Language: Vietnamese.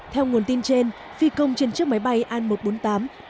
theo nguồn tin trên phi công trên chiếc máy bay an một trăm bốn mươi tám đã cố hạ cánh khẩn cấp